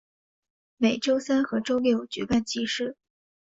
每周三和周六举办集市。